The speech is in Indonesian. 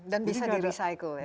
dan bisa di recycle ya